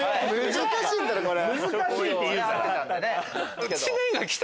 難しいんだなこれ。